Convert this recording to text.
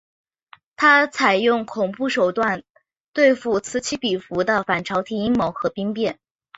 他采用恐怖手段对付此起彼伏的反朝廷阴谋和兵变。